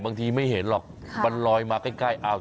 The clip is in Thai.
ไม่เห็นหรอกมันลอยมาใกล้